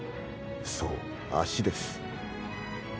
そう足です。